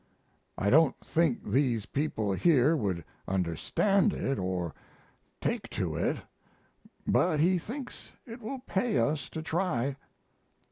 I don't think these people here would understand it or take to it, but he thinks it will pay us to try.